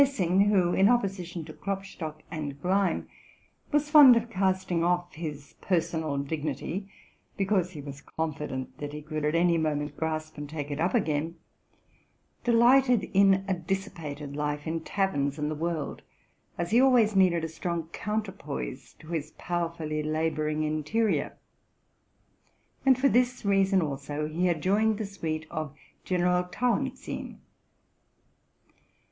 Lessing, who, in opposition to Klopstock and Gleim, was fond of casting off his personal dignity, because he was confident that he could at any moment grasp and take it up again, de lighted in a dissipated life in taverns and the world, as he always needed a strong counterpoise to his powerfully labor ing interior; and for this reason, also, he had joined the suite of Gen. Tauentzien.